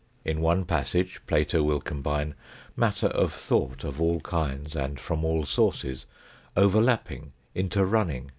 In one passage Plato will combine matter of thought of all kinds and from all sources, overlapping, interrunning.